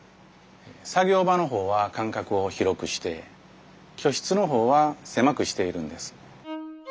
作業場の方は間隔を広くして居室の方は狭くしているんです。